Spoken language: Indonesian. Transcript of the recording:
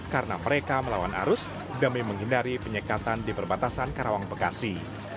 karena mereka melawan arus demi menghindari penyekatan di perbatasan karawang bekasi